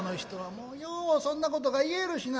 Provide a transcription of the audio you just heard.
もうようそんなことが言えるしな」。